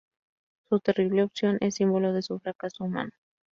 Su terrible opción es símbolo de su fracaso humano.